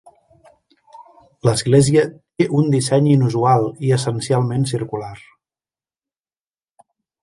L'església té un disseny inusual i essencialment circular.